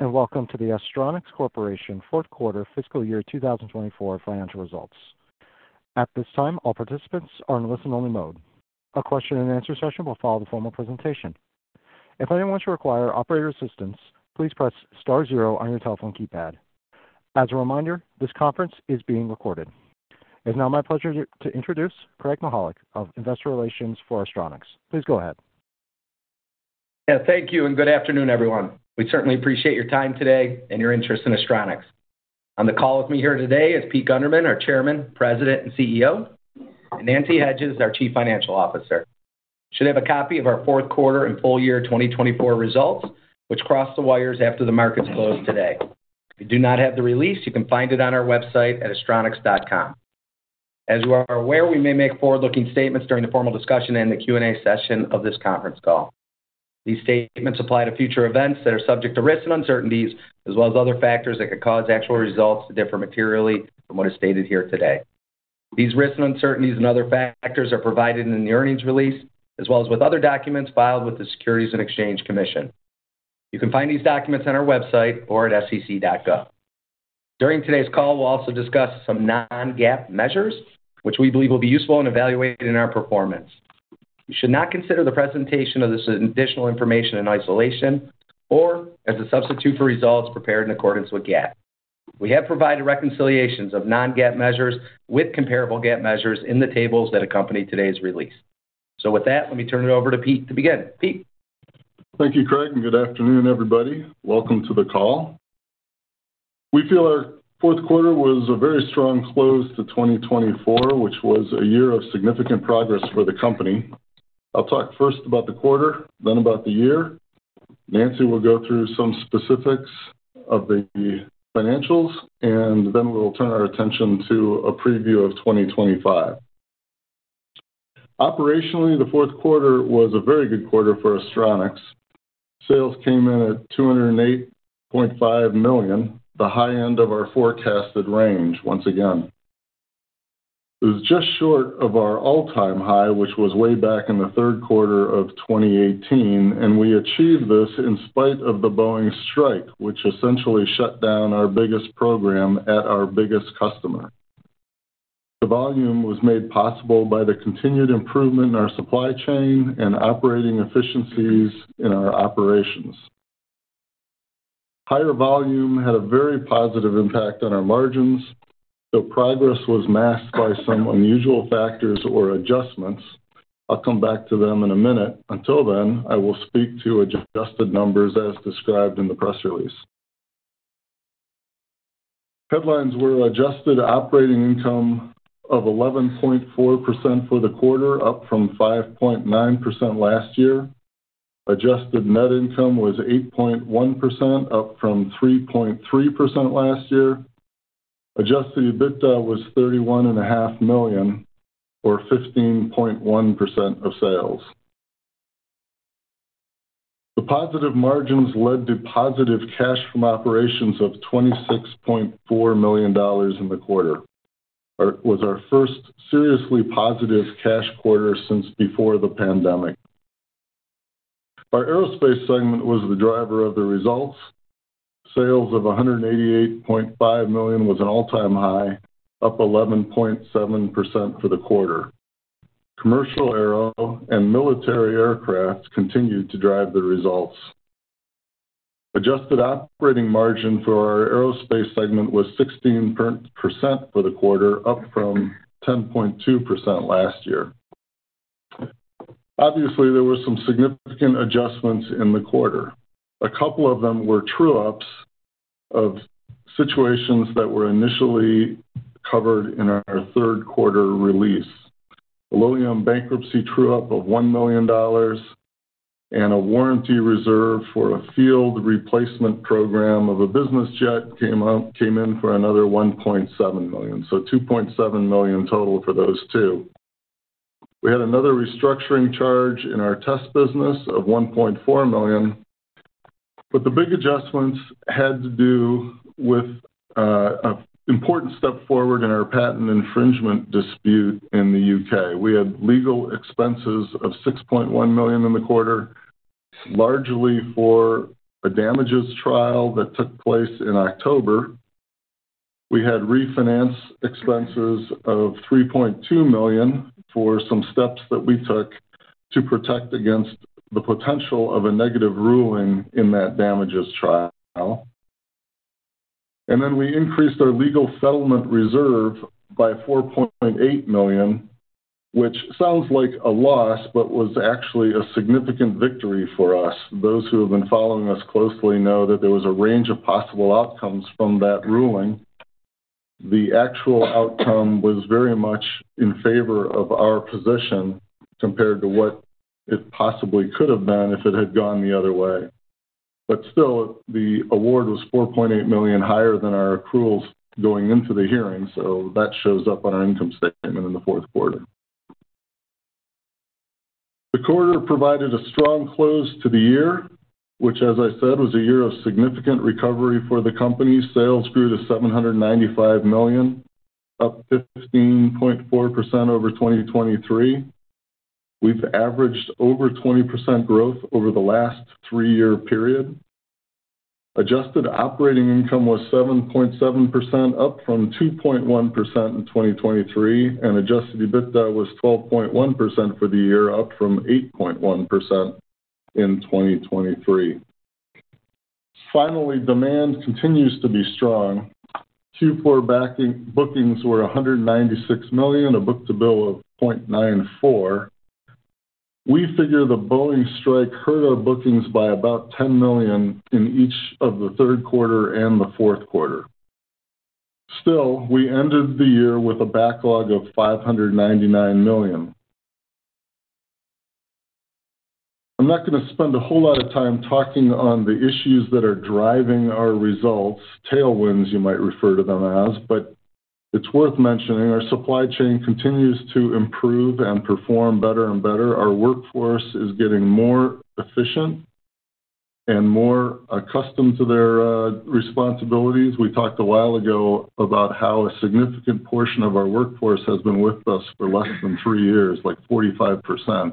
Welcome to the Astronics Corporation fourth quarter fiscal year 2024 financial results. At this time, all participants are in listen-only mode. A question-and-answer session will follow the formal presentation. If anyone should require operator assistance, please press star zero on your telephone keypad. As a reminder, this conference is being recorded. It is now my pleasure to introduce Craig Mychajluk of Investor Relations for Astronics. Please go ahead. Thank you and good afternoon, everyone. We certainly appreciate your time today and your interest in Astronics. On the call with me here today is Peter Gundermann, our Chairman, President, and CEO, and Nancy Hedges, our Chief Financial Officer. You should have a copy of our fourth quarter and full year 2024 results, which crossed the wires after the markets closed today. If you do not have the release, you can find it on our website at astronics.com. As you are aware, we may make forward-looking statements during the formal discussion and the Q&A session of this conference call. These statements apply to future events that are subject to risks and uncertainties, as well as other factors that could cause actual results to differ materially from what is stated here today. These risks and uncertainties and other factors are provided in the earnings release, as well as with other documents filed with the Securities and Exchange Commission. You can find these documents on our website or at sec.gov. During today's call, we'll also discuss some non-GAAP measures, which we believe will be useful in evaluating our performance. You should not consider the presentation of this additional information in isolation or as a substitute for results prepared in accordance with GAAP. We have provided reconciliations of non-GAAP measures with comparable GAAP measures in the tables that accompany today's release. With that, let me turn it over to Peter to begin. Pete. Thank you, Craig, and good afternoon, everybody. Welcome to the call. We feel our fourth quarter was a very strong close to 2024, which was a year of significant progress for the company. I'll talk first about the quarter, then about the year. Nancy will go through some specifics of the financials, and then we'll turn our attention to a preview of 2025. Operationally, the fourth quarter was a very good quarter for Astronics. Sales came in at $208.5 million, the high end of our forecasted range once again. It was just short of our all-time high, which was way back in the third quarter of 2018, and we achieved this in spite of the Boeing strike, which essentially shut down our biggest program at our biggest customer. The volume was made possible by the continued improvement in our supply chain and operating efficiencies in our operations. Higher volume had a very positive impact on our margins, though progress was masked by some unusual factors or adjustments. I'll come back to them in a minute. Until then, I will speak to adjusted numbers as described in the press release. Headlines were adjusted operating income of 11.4% for the quarter, up from 5.9% last year. Adjusted net income was 8.1%, up from 3.3% last year. Adjusted EBITDA was $31.5 million, or 15.1% of sales. The positive margins led to positive cash from operations of $26.4 million in the quarter. It was our first seriously positive cash quarter since before the pandemic. Our aerospace segment was the driver of the results. Sales of $188.5 million was an all-time high, up 11.7% for the quarter. Commercial aero and military aircraft continued to drive the results. Adjusted operating margin for our aerospace segment was 16% for the quarter, up from 10.2% last year. Obviously, there were some significant adjustments in the quarter. A couple of them were true-ups of situations that were initially covered in our third quarter release. A Lilium bankruptcy true-up of $1 million and a warranty reserve for a field replacement program of a business jet came in for another $1.7 million. So $2.7 million total for those two. We had another restructuring charge in our test business of $1.4 million. The big adjustments had to do with an important step forward in our patent infringement dispute in the U.K. We had legal expenses of $6.1 million in the quarter, largely for a damages trial that took place in October. We had refinance expenses of $3.2 million for some steps that we took to protect against the potential of a negative ruling in that damages trial. We increased our legal settlement reserve by $4.8 million, which sounds like a loss, but was actually a significant victory for us. Those who have been following us closely know that there was a range of possible outcomes from that ruling. The actual outcome was very much in favor of our position compared to what it possibly could have been if it had gone the other way. Still, the award was $4.8 million higher than our accruals going into the hearing. That shows up on our income statement in the fourth quarter. The quarter provided a strong close to the year, which, as I said, was a year of significant recovery for the company. Sales grew to $795 million, up 15.4% over 2023. We've averaged over 20% growth over the last three-year period. Adjusted operating income was 7.7%, up from 2.1% in 2023, and adjusted EBITDA was 12.1% for the year, up from 8.1% in 2023. Finally, demand continues to be strong. Q4 bookings were $196 million, a book-to-bill of 0.94. We figure the Boeing strike hurt our bookings by about $10 million in each of the third quarter and the fourth quarter. Still, we ended the year with a backlog of $599 million. I'm not going to spend a whole lot of time talking on the issues that are driving our results, tailwinds, you might refer to them as, but it's worth mentioning. Our supply chain continues to improve and perform better and better. Our workforce is getting more efficient and more accustomed to their responsibilities. We talked a while ago about how a significant portion of our workforce has been with us for less than three years, like 45%.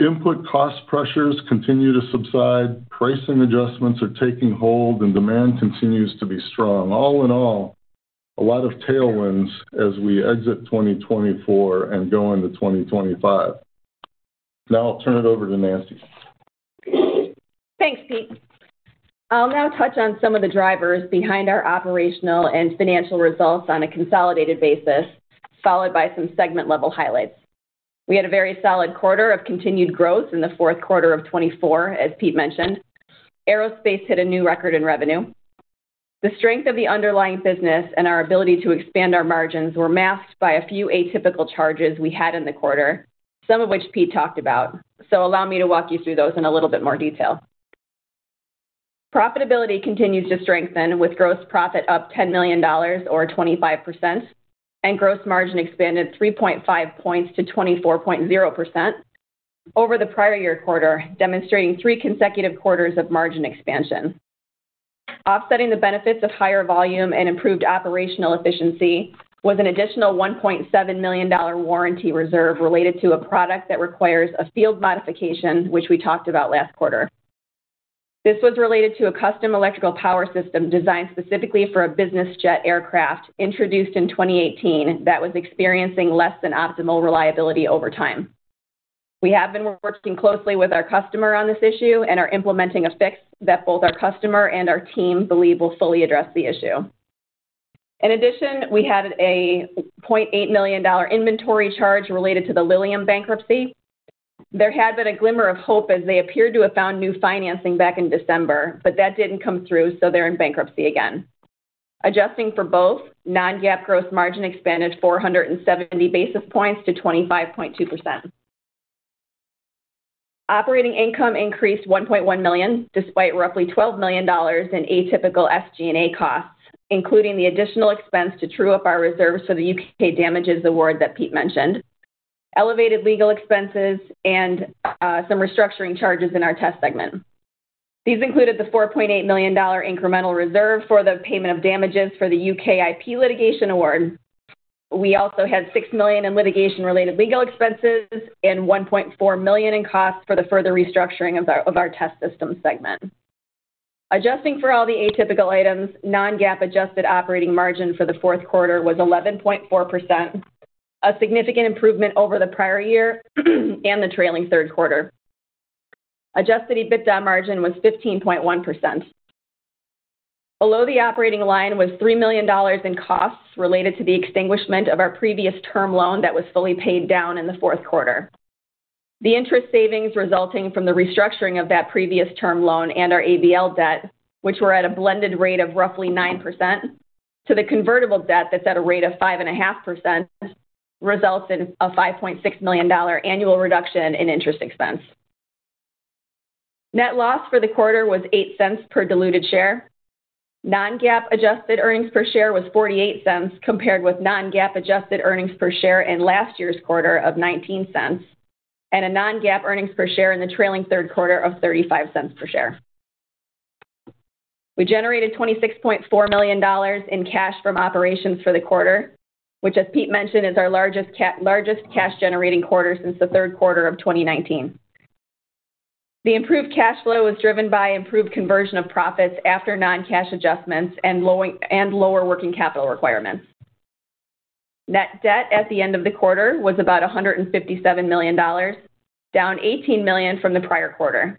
Input cost pressures continue to subside. Pricing adjustments are taking hold, and demand continues to be strong. All in all, a lot of tailwinds as we exit 2024 and go into 2025. Now I'll turn it over to Nancy. Thanks, Peter. I'll now touch on some of the drivers behind our operational and financial results on a consolidated basis, followed by some segment-level highlights. We had a very solid quarter of continued growth in the fourth quarter of 2024, as Peter mentioned. Aerospace hit a new record in revenue. The strength of the underlying business and our ability to expand our margins were masked by a few atypical charges we had in the quarter, some of which Peter talked about. Allow me to walk you through those in a little bit more detail. Profitability continues to strengthen, with gross profit up $10 million, or 25%, and gross margin expanded 3.5 percentage points to 24.0% over the prior year quarter, demonstrating three consecutive quarters of margin expansion. Offsetting the benefits of higher volume and improved operational efficiency was an additional $1.7 million warranty reserve related to a product that requires a field modification, which we talked about last quarter. This was related to a custom electrical power system designed specifically for a business jet aircraft introduced in 2018 that was experiencing less than optimal reliability over time. We have been working closely with our customer on this issue and are implementing a fix that both our customer and our team believe will fully address the issue. In addition, we had a $0.8 million inventory charge related to the Lilium bankruptcy. There had been a glimmer of hope as they appeared to have found new financing back in December, but that did not come through, so they are in bankruptcy again. Adjusting for both, non-GAAP gross margin expanded 470 basis points to 25.2%. Operating income increased $1.1 million, despite roughly $12 million in atypical SG&A costs, including the additional expense to true-up our reserves for the U.K. damages award that Peter mentioned, elevated legal expenses, and some restructuring charges in our test segment. These included the $4.8 million incremental reserve for the payment of damages for the U.K. litigation award. We also had $6 million in litigation-related legal expenses and $1.4 million in costs for the further restructuring of our test system segment. Adjusting for all the atypical items, non-GAAP adjusted operating margin for the fourth quarter was 11.4%, a significant improvement over the prior year and the trailing third quarter. Adjusted EBITDA margin was 15.1%. Below the operating line was $3 million in costs related to the extinguishment of our previous term loan that was fully paid down in the fourth quarter. The interest savings resulting from the restructuring of that previous term loan and our ABL debt, which were at a blended rate of roughly 9%, to the convertible debt that's at a rate of 5.5%, results in a $5.6 million annual reduction in interest expense. Net loss for the quarter was $0.08 per diluted share. Non-GAAP adjusted earnings per share was $0.48, compared with non-GAAP adjusted earnings per share in last year's quarter of $0.19, and a non-GAAP earnings per share in the trailing Third Quarter of $0.35 per share. We generated $26.4 million in cash from operations for the quarter, which, as Peter mentioned, is our largest cash-generating quarter since the Third Quarter of 2019. The improved cash flow was driven by improved conversion of profits after non-cash adjustments and lower working capital requirements. Net debt at the end of the quarter was about $157 million, down $18 million from the prior quarter.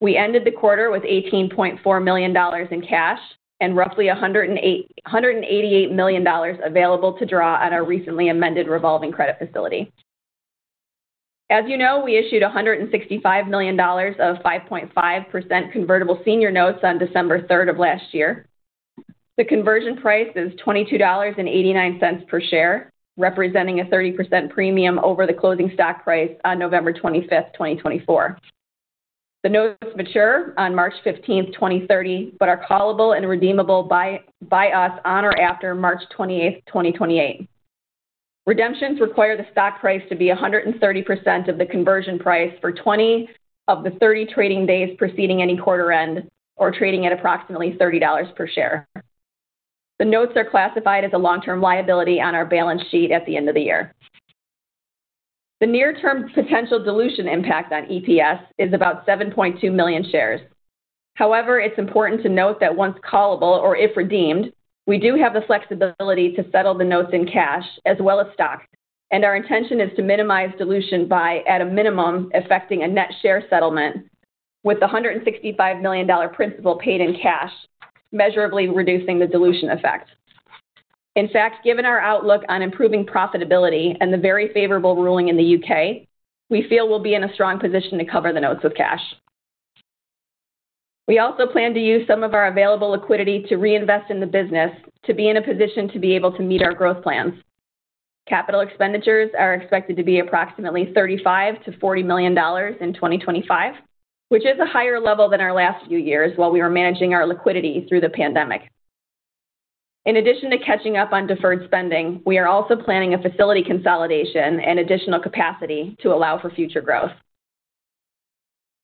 We ended the quarter with $18.4 million in cash and roughly $188 million available to draw on our recently amended revolving credit facility. As you know, we issued $165 million of 5.5% convertible senior notes on December 3rd of last year. The conversion price is $22.89 per share, representing a 30% premium over the closing stock price on November 25th, 2024. The notes mature on March 15th, 2030, but are callable and redeemable by us on or after March 28th, 2028. Redemptions require the stock price to be 130% of the conversion price for 20 of the 30 trading days preceding any quarter end, or trading at approximately $30 per share. The notes are classified as a long-term liability on our balance sheet at the end of the year. The near-term potential dilution impact on EPS is about 7.2 million shares. However, it's important to note that once callable or if redeemed, we do have the flexibility to settle the notes in cash as well as stock, and our intention is to minimize dilution by, at a minimum, affecting a net share settlement with the $165 million principal paid in cash, measurably reducing the dilution effect. In fact, given our outlook on improving profitability and the very favorable ruling in the U.K., we feel we'll be in a strong position to cover the notes with cash. We also plan to use some of our available liquidity to reinvest in the business to be in a position to be able to meet our growth plans. Capital expenditures are expected to be approximately $35 million-$40 million in 2025, which is a higher level than our last few years while we were managing our liquidity through the pandemic. In addition to catching up on deferred spending, we are also planning a facility consolidation and additional capacity to allow for future growth.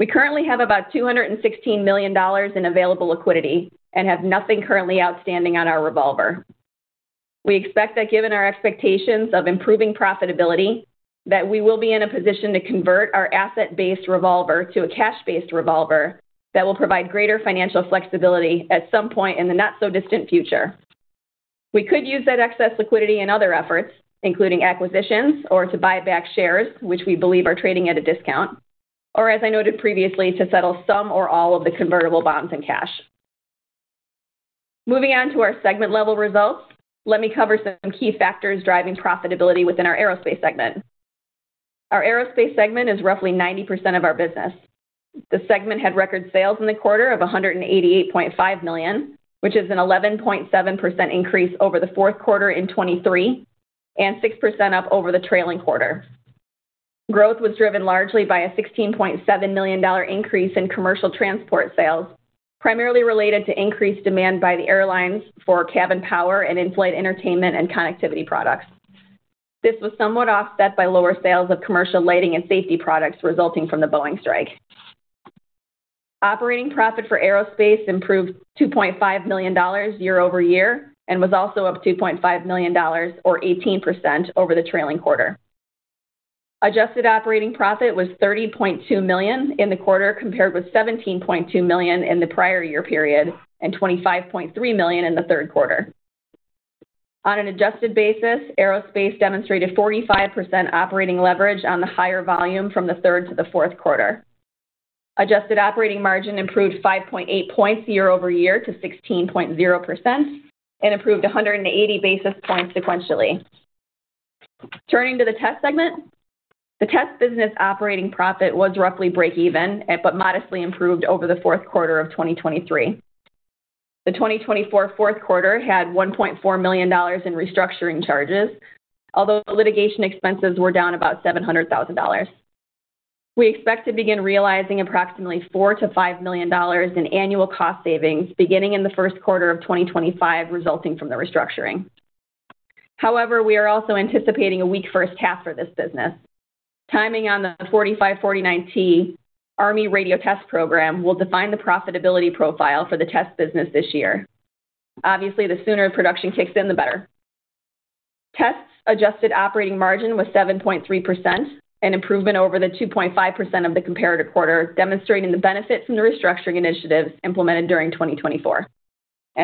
We currently have about $216 million in available liquidity and have nothing currently outstanding on our revolver. We expect that given our expectations of improving profitability, that we will be in a position to convert our asset-based revolver to a cash-based revolver that will provide greater financial flexibility at some point in the not-so-distant future. We could use that excess liquidity in other efforts, including acquisitions or to buy back shares, which we believe are trading at a discount, or, as I noted previously, to settle some or all of the convertible bonds in cash. Moving on to our segment-level results, let me cover some key factors driving profitability within our aerospace segment. Our aerospace segment is roughly 90% of our business. The segment had record sales in the quarter of $188.5 million, which is an 11.7% increase over the fourth quarter in 2023 and 6% up over the trailing quarter. Growth was driven largely by a $16.7 million increase in commercial transport sales, primarily related to increased demand by the airlines for cabin power and in-flight entertainment and connectivity products. This was somewhat offset by lower sales of commercial lighting and safety products resulting from the Boeing strike. Operating profit for aerospace improved $2.5 million year-over-year and was also up $2.5 million, or 18%, over the trailing quarter. Adjusted operating profit was $30.2 million in the quarter compared with $17.2 million in the prior year period and $25.3 million in the third quarter. On an adjusted basis, aerospace demonstrated 45% operating leverage on the higher volume from the third to the fourth quarter. Adjusted operating margin improved 5.8 percentage points year-over-year to 16.0% and improved 180 basis points sequentially. Turning to the test segment, the test business operating profit was roughly break-even, but modestly improved over the fourth quarter of 2023. The 2024 fourth quarter had $1.4 million in restructuring charges, although litigation expenses were down about $700,000. We expect to begin realizing approximately $4-5 million in annual cost savings beginning in the first quarter of 2025, resulting from the restructuring. However, we are also anticipating a weak first half for this business. Timing on the 4549T Army Radio Test Program will define the profitability profile for the test business this year. Obviously, the sooner production kicks in, the better. Tests adjusted operating margin was 7.3%, an improvement over the 2.5% of the comparative quarter, demonstrating the benefits from the restructuring initiatives implemented during 2024.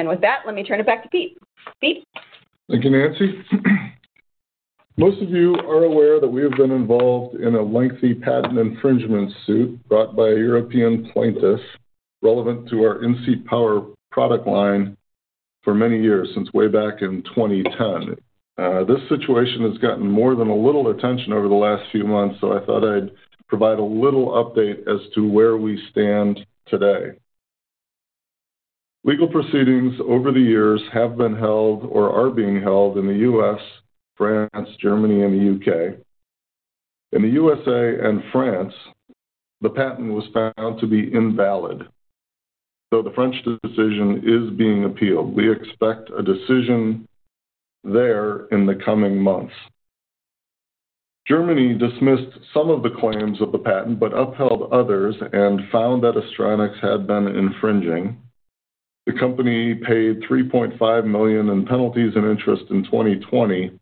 With that, let me turn it back to Peter. Peter. Thank you, Nancy. Most of you are aware that we have been involved in a lengthy patent infringement suit brought by a European plaintiff relevant to our NC POWER product line for many years, since way back in 2010. This situation has gotten more than a little attention over the last few months, so I thought I'd provide a little update as to where we stand today. Legal proceedings over the years have been held or are being held in the U.S., France, Germany, and the U.K. In the U.S. and France, the patent was found to be invalid, though the French decision is being appealed. We expect a decision there in the coming months. Germany dismissed some of the claims of the patent but upheld others and found that Astronics had been infringing. The company paid $3.5 million in penalties and interest in 2020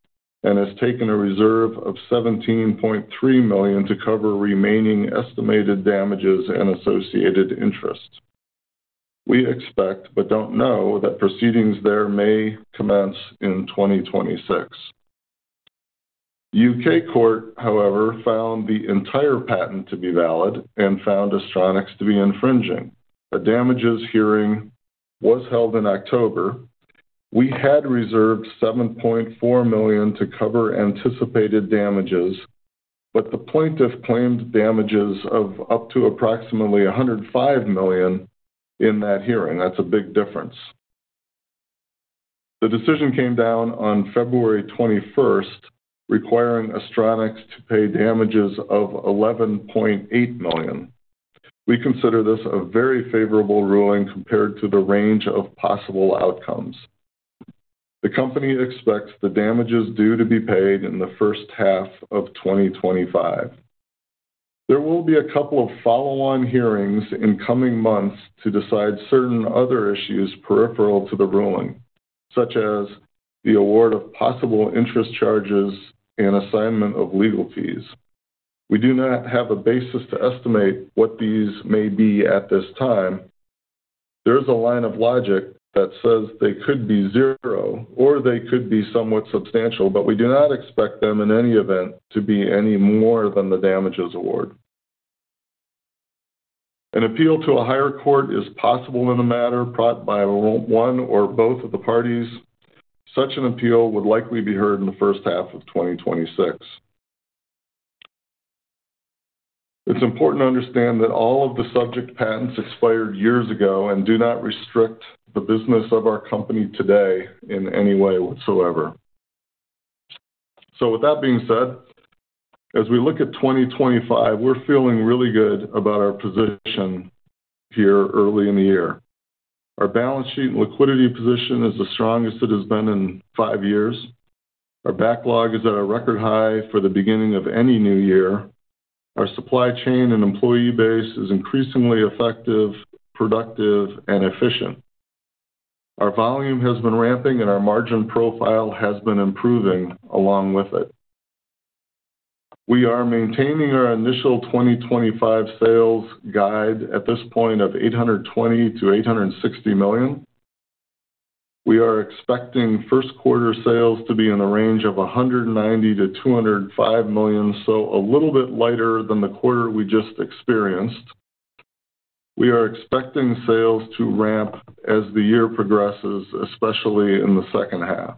and has taken a reserve of $17.3 million to cover remaining estimated damages and associated interest. We expect but do not know that proceedings there may commence in 2026. The U.K. Court, however, found the entire patent to be valid and found Astronics to be infringing. A damages hearing was held in October. We had reserved $7.4 million to cover anticipated damages, but the plaintiff claimed damages of up to approximately $105 million in that hearing. That is a big difference. The decision came down on February 21, requiring Astronics to pay damages of $11.8 million. We consider this a very favorable ruling compared to the range of possible outcomes. The company expects the damages due to be paid in the first half of 2025. There will be a couple of follow-on hearings in coming months to decide certain other issues peripheral to the ruling, such as the award of possible interest charges and assignment of legal fees. We do not have a basis to estimate what these may be at this time. There is a line of logic that says they could be zero or they could be somewhat substantial, but we do not expect them in any event to be any more than the damages award. An appeal to a higher court is possible in a matter brought by one or both of the parties. Such an appeal would likely be heard in the first half of 2026. It's important to understand that all of the subject patents expired years ago and do not restrict the business of our company today in any way whatsoever. With that being said, as we look at 2025, we're feeling really good about our position here early in the year. Our balance sheet and liquidity position is the strongest it has been in five years. Our backlog is at a record high for the beginning of any new year. Our supply chain and employee base is increasingly effective, productive, and efficient. Our volume has been ramping, and our margin profile has been improving along with it. We are maintaining our initial 2025 sales guide at this point of $820-$860 million. We are expecting first quarter sales to be in the range of $190-$205 million, so a little bit lighter than the quarter we just experienced. We are expecting sales to ramp as the year progresses, especially in the second half.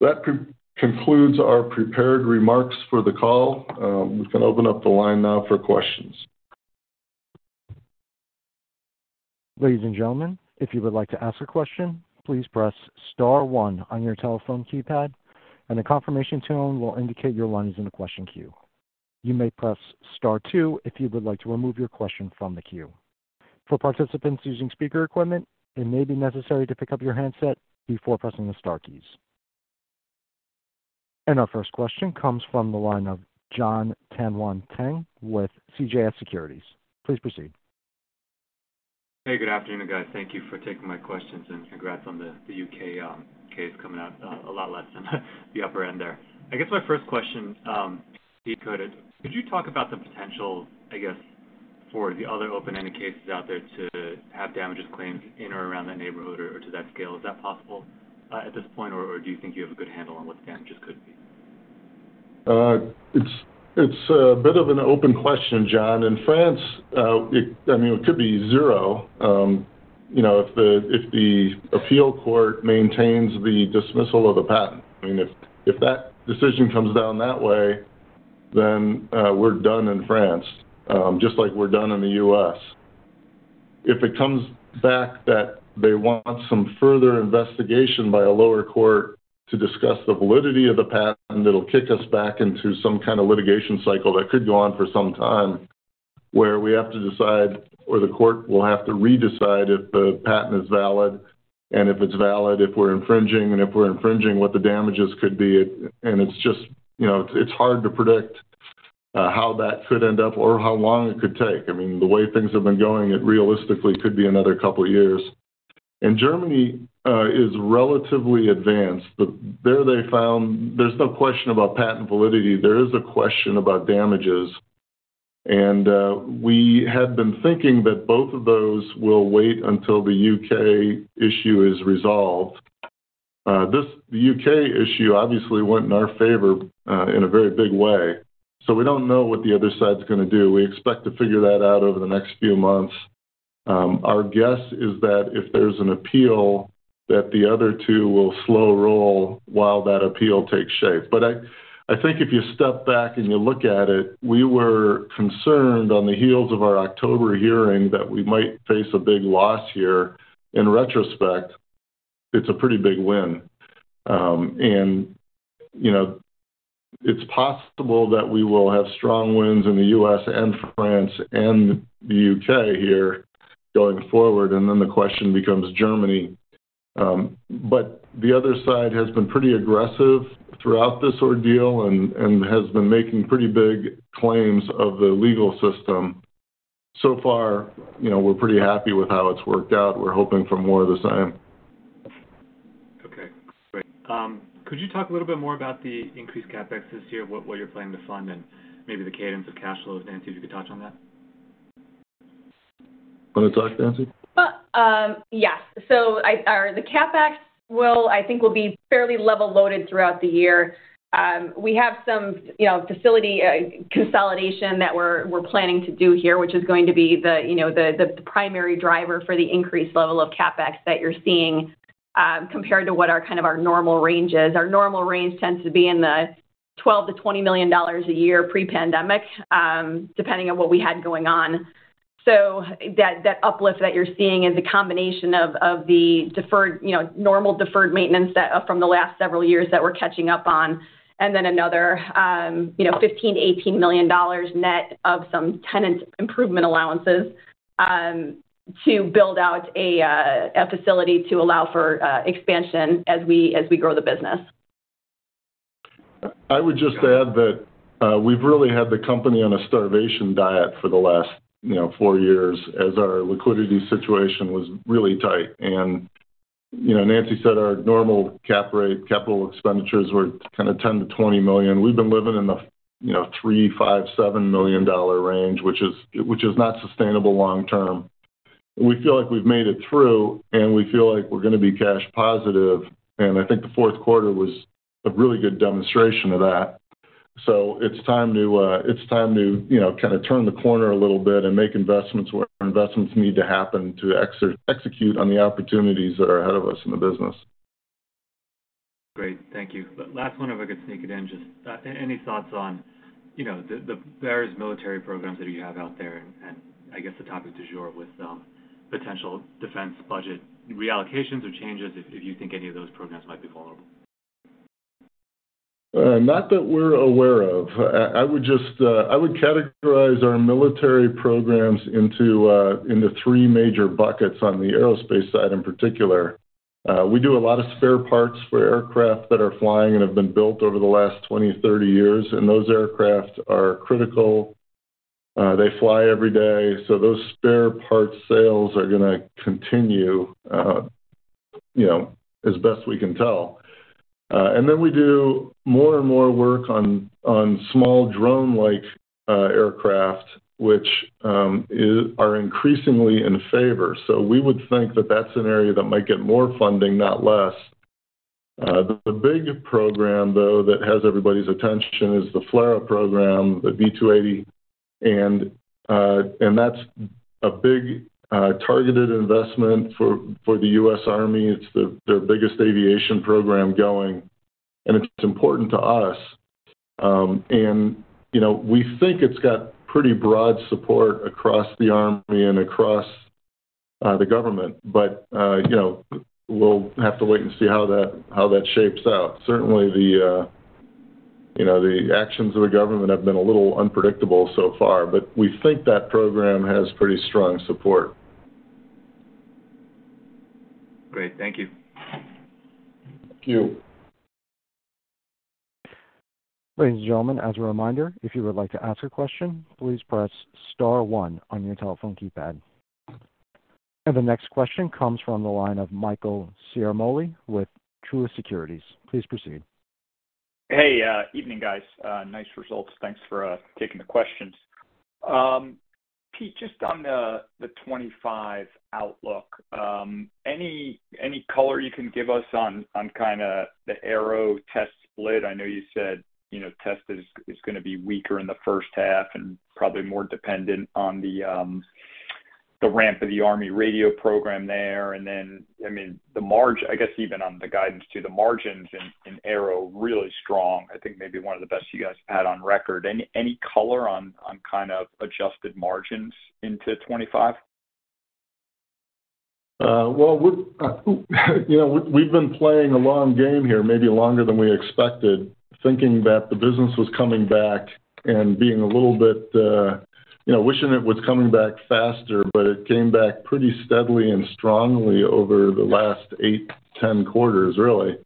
That concludes our prepared remarks for the call. We can open up the line now for questions. Ladies and gentlemen, if you would like to ask a question, please press Star 1 on your telephone keypad, and the confirmation tone will indicate your line is in the question queue. You may press Star 2 if you would like to remove your question from the queue. For participants using speaker equipment, it may be necessary to pick up your handset before pressing the Star keys. Our first question comes from the line of Jonathan Tanwanteng with CJS Securities. Please proceed. Hey, good afternoon, guys. Thank you for taking my questions, and congrats on the U.K. case coming out a lot less on the upper end there. I guess my first question, Pete, could you talk about the potential, I guess, for the other open-ended cases out there to have damages claimed in or around that neighborhood or to that scale? Is that possible at this point, or do you think you have a good handle on what the damages could be? It's a bit of an open question, John. In France, I mean, it could be zero if the appeal court maintains the dismissal of the patent. I mean, if that decision comes down that way, then we're done in France, just like we're done in the U.S. If it comes back that they want some further investigation by a lower court to discuss the validity of the patent, it'll kick us back into some kind of litigation cycle that could go on for some time where we have to decide, or the court will have to redecide if the patent is valid, and if it's valid, if we're infringing, and if we're infringing, what the damages could be. It's just, it's hard to predict how that could end up or how long it could take. I mean, the way things have been going, it realistically could be another couple of years. Germany is relatively advanced, but there they found there's no question about patent validity. There is a question about damages. We had been thinking that both of those will wait until the U.K. issue is resolved. The U.K. issue obviously went in our favor in a very big way. We don't know what the other side's going to do. We expect to figure that out over the next few months. Our guess is that if there's an appeal, the other two will slow roll while that appeal takes shape. I think if you step back and you look at it, we were concerned on the heels of our October hearing that we might face a big loss here. In retrospect, it's a pretty big win. It is possible that we will have strong wins in the U.S., France, and the U.K. here going forward, and then the question becomes Germany. The other side has been pretty aggressive throughout this ordeal and has been making pretty big claims of the legal system. So far, we're pretty happy with how it's worked out. We're hoping for more of the same. Okay. Great. Could you talk a little bit more about the increased CapEx this year, what you're planning to fund, and maybe the cadence of cash flows? Nancy, if you could touch on that. Want to talk, Nancy? Yes. The CapEx, I think, will be fairly level loaded throughout the year. We have some facility consolidation that we are planning to do here, which is going to be the primary driver for the increased level of CapEx that you are seeing compared to what are kind of our normal ranges. Our normal range tends to be in the $12-$20 million a year pre-pandemic, depending on what we had going on. That uplift that you are seeing is a combination of the normal deferred maintenance from the last several years that we are catching up on, and then another $15-$18 million net of some tenant improvement allowances to build out a facility to allow for expansion as we grow the business. I would just add that we've really had the company on a starvation diet for the last four years as our liquidity situation was really tight. As Nancy said, our normal CapEx, capital expenditures, were kind of $10 million to $20 million. We've been living in the $3 million, $5 million, $7 million range, which is not sustainable long term. We feel like we've made it through, and we feel like we're going to be cash positive. I think the fourth quarter was a really good demonstration of that. It is time to kind of turn the corner a little bit and make investments where investments need to happen to execute on the opportunities that are ahead of us in the business. Great. Thank you. Last one, if I could sneak it in, just any thoughts on the various military programs that you have out there and, I guess, the topic du jour with potential defense budget reallocations or changes, if you think any of those programs might be vulnerable? Not that we're aware of. I would categorize our military programs into three major buckets on the aerospace side in particular. We do a lot of spare parts for aircraft that are flying and have been built over the last 20, 30 years, and those aircraft are critical. They fly every day. Those spare parts sales are going to continue as best we can tell. We do more and more work on small drone-like aircraft, which are increasingly in favor. We would think that that's an area that might get more funding, not less. The big program, though, that has everybody's attention is the FLRAA program, the V-280. That is a big targeted investment for the U.S. Army. It's their biggest aviation program going, and it's important to us. We think it's got pretty broad support across the Army and across the government, but we'll have to wait and see how that shapes out. Certainly, the actions of the government have been a little unpredictable so far, but we think that program has pretty strong support. Great. Thank you. Thank you. Ladies and gentlemen, as a reminder, if you would like to ask a question, please press Star 1 on your telephone keypad. The next question comes from the line of Michael Ciarmoli with Truist Securities. Please proceed. Hey, evening, guys. Nice results. Thanks for taking the questions. Pete, just on the '25 outlook, any color you can give us on kind of the Arrow test split? I know you said test is going to be weaker in the first half and probably more dependent on the ramp of the Army radio program there. I mean, the margin, I guess even on the guidance to the margins in Arrow, really strong. I think maybe one of the best you guys had on record. Any color on kind of adjusted margins into '25? We've been playing a long game here, maybe longer than we expected, thinking that the business was coming back and being a little bit wishing it was coming back faster, but it came back pretty steadily and strongly over the last 8, 10 quarters, really.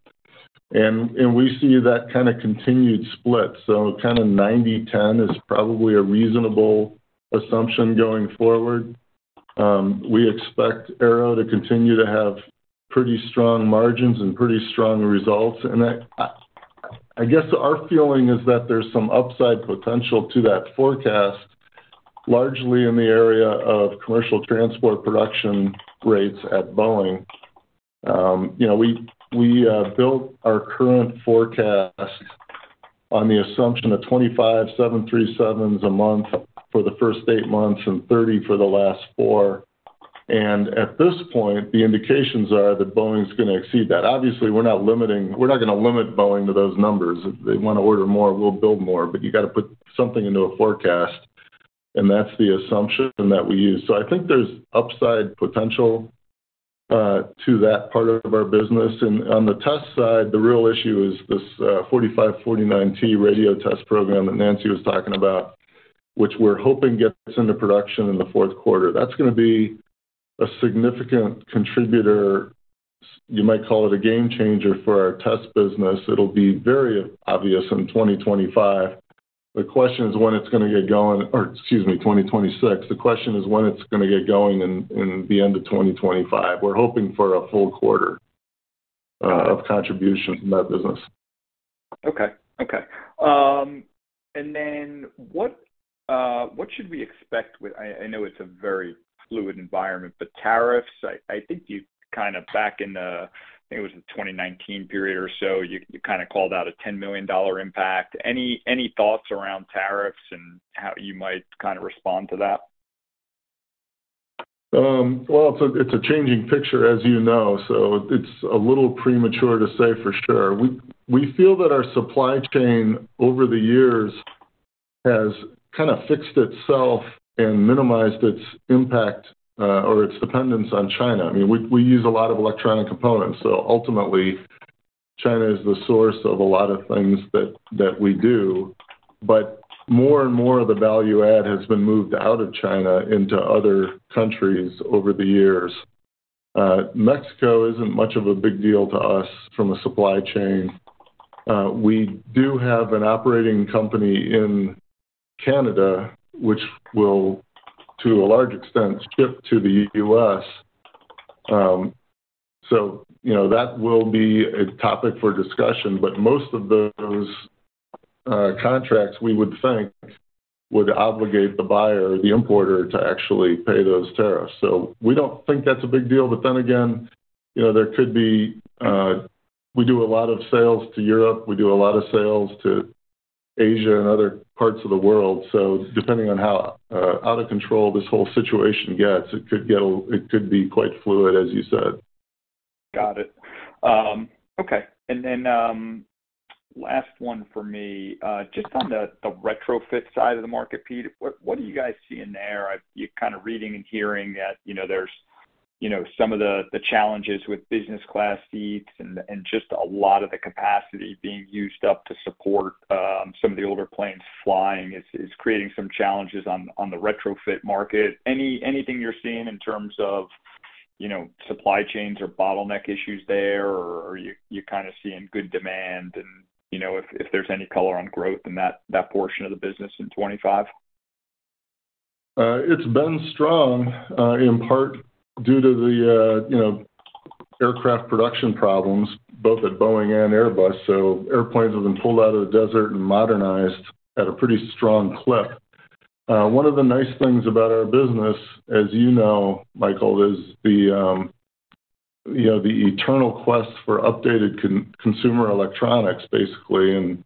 We see that kind of continued split. Kind of 90/10 is probably a reasonable assumption going forward. We expect Arrow to continue to have pretty strong margins and pretty strong results. I guess our feeling is that there's some upside potential to that forecast, largely in the area of commercial transport production rates at Boeing. We built our current forecast on the assumption of 25 737s a month for the first eight months and 30 for the last four. At this point, the indications are that Boeing's going to exceed that. Obviously, we're not going to limit Boeing to those numbers. If they want to order more, we'll build more, but you got to put something into a forecast, and that's the assumption that we use. I think there's upside potential to that part of our business. On the test side, the real issue is this 4549T radio test program that Nancy was talking about, which we're hoping gets into production in the fourth quarter. That's going to be a significant contributor. You might call it a game changer for our test business. It'll be very obvious in 2025. The question is when it's going to get going or, excuse me, 2026. The question is when it's going to get going in the end of 2025. We're hoping for a full quarter of contributions in that business. Okay. Okay. What should we expect with, I know it's a very fluid environment, but tariffs? I think you kind of back in the, I think it was the 2019 period or so, you kind of called out a $10 million impact. Any thoughts around tariffs and how you might kind of respond to that? It is a changing picture, as you know, so it is a little premature to say for sure. We feel that our supply chain over the years has kind of fixed itself and minimized its impact or its dependence on China. I mean, we use a lot of electronic components, so ultimately, China is the source of a lot of things that we do. More and more of the value add has been moved out of China into other countries over the years. Mexico is not much of a big deal to us from a supply chain. We do have an operating company in Canada, which will, to a large extent, ship to the U.S. That will be a topic for discussion, but most of those contracts we would think would obligate the buyer or the importer to actually pay those tariffs. We don't think that's a big deal, but then again, there could be. We do a lot of sales to Europe. We do a lot of sales to Asia and other parts of the world. Depending on how out of control this whole situation gets, it could be quite fluid, as you said. Got it. Okay. Last one for me, just on the retrofit side of the market, Pete, what are you guys seeing there? You're kind of reading and hearing that there's some of the challenges with business-class seats and just a lot of the capacity being used up to support some of the older planes flying is creating some challenges on the retrofit market. Anything you're seeing in terms of supply chains or bottleneck issues there, or are you kind of seeing good demand? If there's any color on growth in that portion of the business in 2025? It's been strong in part due to the aircraft production problems, both at Boeing and Airbus. Airplanes have been pulled out of the desert and modernized at a pretty strong clip. One of the nice things about our business, as you know, Michael, is the eternal quest for updated consumer electronics, basically, and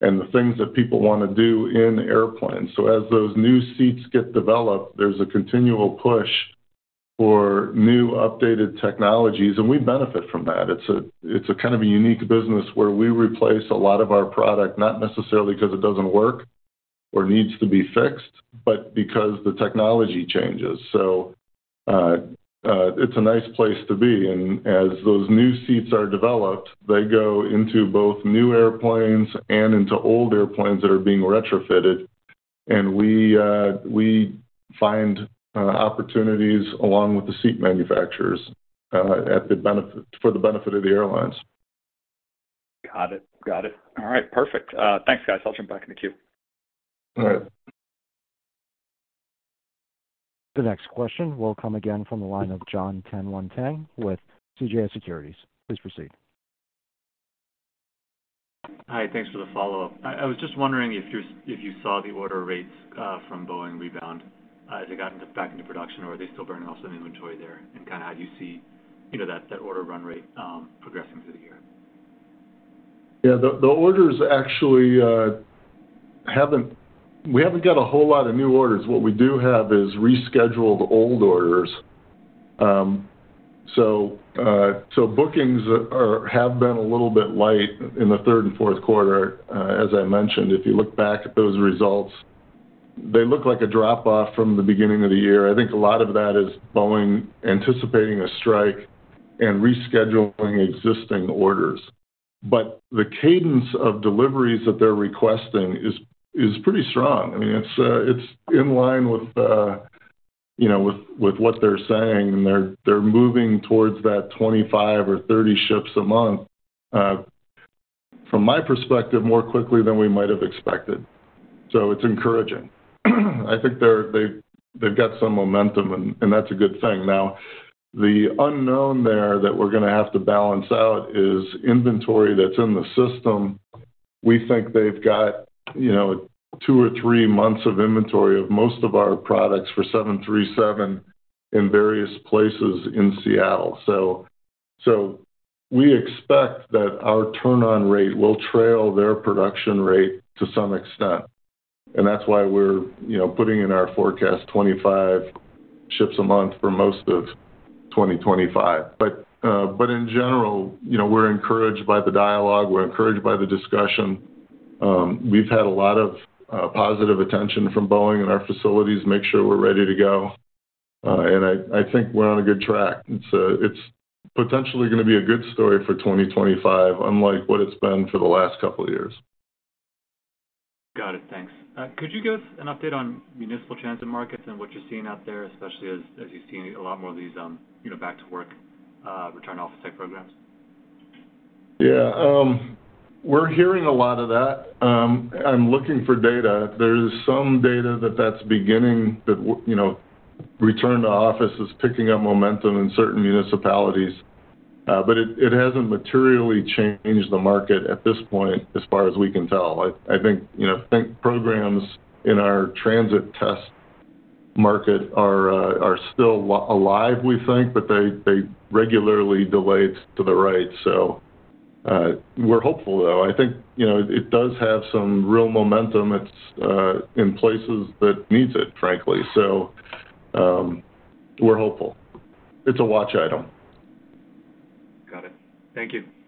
the things that people want to do in airplanes. As those new seats get developed, there's a continual push for new updated technologies, and we benefit from that. It's a kind of a unique business where we replace a lot of our product, not necessarily because it doesn't work or needs to be fixed, but because the technology changes. It's a nice place to be. As those new seats are developed, they go into both new airplanes and into old airplanes that are being retrofitted. We find opportunities along with the seat manufacturers for the benefit of the airlines. Got it. Got it. All right. Perfect. Thanks, guys. I'll jump back into queue. All right. The next question will come again from the line of Jonathan Tanwanteng with CJS Securities. Please proceed. Hi. Thanks for the follow-up. I was just wondering if you saw the order rates from Boeing rebound as it got back into production, or are they still burning off some inventory there? How do you see that order run rate progressing through the year? Yeah. The orders actually haven't—we haven't got a whole lot of new orders. What we do have is rescheduled old orders. Bookings have been a little bit light in the third and fourth quarter. As I mentioned, if you look back at those results, they look like a drop-off from the beginning of the year. I think a lot of that is Boeing anticipating a strike and rescheduling existing orders. The cadence of deliveries that they're requesting is pretty strong. I mean, it's in line with what they're saying, and they're moving towards that 25 or 30 ships a month, from my perspective, more quickly than we might have expected. It's encouraging. I think they've got some momentum, and that's a good thing. Now, the unknown there that we're going to have to balance out is inventory that's in the system. We think they've got two or three months of inventory of most of our products for 737 in various places in Seattle. We expect that our turn-on rate will trail their production rate to some extent. That is why we're putting in our forecast, 25 ships a month for most of 2025. In general, we're encouraged by the dialogue. We're encouraged by the discussion. We've had a lot of positive attention from Boeing and our facilities. Make sure we're ready to go. I think we're on a good track. It's potentially going to be a good story for 2025, unlike what it's been for the last couple of years. Got it. Thanks. Could you give us an update on municipal transit markets and what you're seeing out there, especially as you see a lot more of these back-to-work return-to-office type programs? Yeah. We're hearing a lot of that. I'm looking for data. There's some data that that's beginning that return-to-office is picking up momentum in certain municipalities. It hasn't materially changed the market at this point, as far as we can tell. I think programs in our transit test market are still alive, we think, but they regularly delay to the right. We're hopeful, though. I think it does have some real momentum. It's in places that need it, frankly. We're hopeful. It's a watch item. Got it. Thank you.